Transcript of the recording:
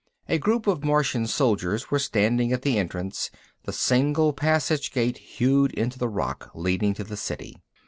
A group of Martian soldiers were standing at the entrance, the single passage gate hewn into the rock, leading to the City.